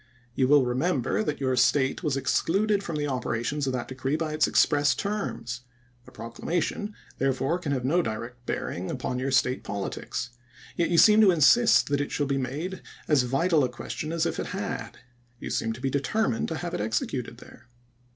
You will remember that your State was excluded from the operations of that decree by its express terms. The proclamation therefore can have no direct bearing upon your 218 ABRAHAM LINCOLN Chap. VIII. State politics. Yet you seem to insist that it shall be made as vital a question as if it had. You seem to be determined to have it executed there."